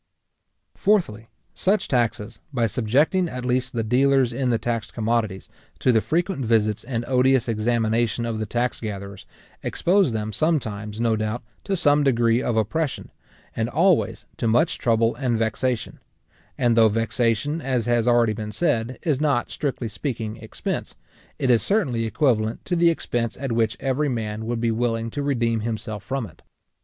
Fourthly, such taxes, by subjecting at least the dealers in the taxed commodities, to the frequent visits and odious examination of the tax gatherers, expose them sometimes, no doubt, to some degree of oppression, and always to much trouble and vexation; and though vexation, as has already been said, is not strictly speaking expense, it is certainly equivalent to the expense at which every man would be willing to redeem himself from it.